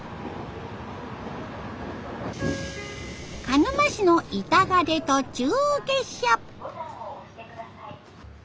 鹿沼市の板荷で途中下車。